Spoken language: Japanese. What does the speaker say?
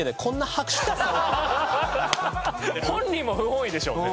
本人も不本意でしょうね